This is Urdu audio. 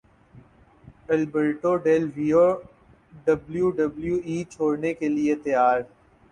Alberto Del Rio W W E چھوڑنے کے لیے تیار